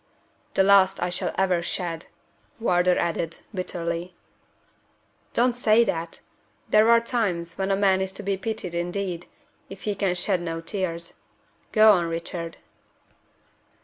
"The last I shall ever shed," Wardour added, bitterly. "Don't say that! There are times when a man is to be pitied indeed, if he can shed no tears. Go on, Richard."